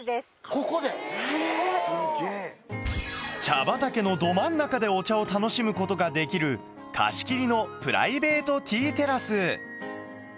茶畑のど真ん中でお茶を楽しむことができる貸し切りのプライベートティーテラス